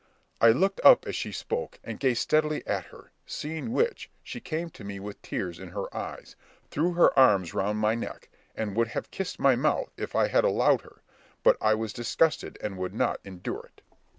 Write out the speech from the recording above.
I looked up as she spoke, and gazed steadily at her, seeing which, she came to me with tears in her eyes, threw her arms round my neck, and would have kissed my mouth if I had allowed her; but I was disgusted, and would not endure it.